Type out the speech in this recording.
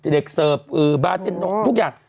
เด็กเสิร์ฟบาร์เทนทุกอย่าง